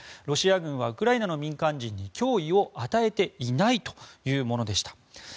ロシア軍はウクライナの民間人に脅威を与えていないというものでした。